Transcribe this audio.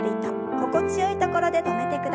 心地よいところで止めてください。